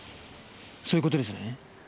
そういう事ですね？